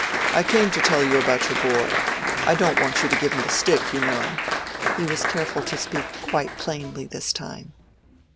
"I came to tell you about your boy: I don't want you to give him the stick, you know." He was careful to speak quite plainly this time.